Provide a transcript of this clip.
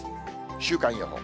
週間予報。